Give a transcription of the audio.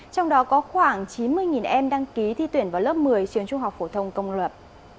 trong đó có khoảng chín mươi em đăng ký thi tuyển vào lớp một mươi trường trung học phổ thông công lập